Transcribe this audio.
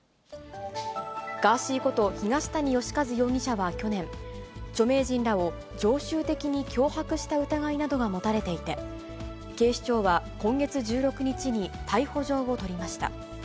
ガーシーこと、東谷義和容疑者は去年、著名人らを常習的に脅迫した疑いなどが持たれていて、警視庁は今月１６日に逮捕状を取りました。